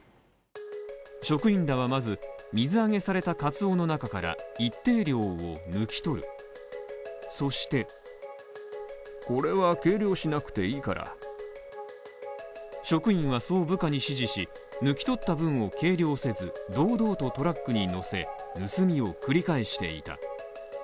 職員らはまず、水揚げされたカツオの中から、一定量を抜き取る、そして職員はそう部下に指示し、抜き取った分を計量せず、堂々とトラックに乗せ、盗みを繰り返していた。